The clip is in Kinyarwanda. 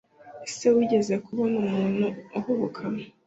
Ese wigeze kubona umuntu uhubuka